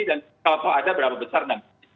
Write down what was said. dan kalau ada berapa besar namanya